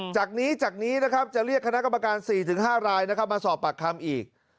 จากนี้จะเรียกคณะกำลังการ๔๕รายมาสอบปากคำอีก